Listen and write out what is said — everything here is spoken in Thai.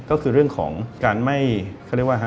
ก็คือเรื่องของการไม่เขาเรียกว่าฮะ